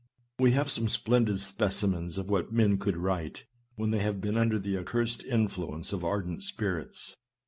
We have some splendid specimens of what men could write, when they have been under the accursed influence of ardent spirits.